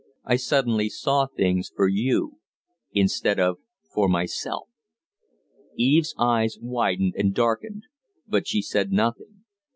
I suddenly saw things for you instead of for myself." Eve's eyes widened and darkened, but she said nothing.